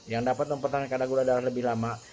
yang dapat mempertahankan kadar gula dalam lebih lama